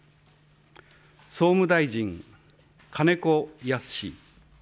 総務大臣、金子恭之。